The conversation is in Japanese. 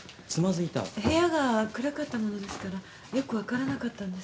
部屋が暗かったものですからよく分からなかったんです。